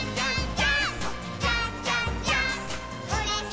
ジャンプ！！